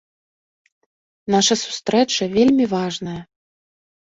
Наша сустрэча вельмі важная.